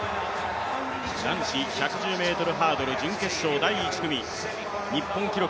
男子１１０ｍハードル準決勝第１組日本記録